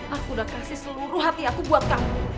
aku udah kasih seluruh hati aku buat kamu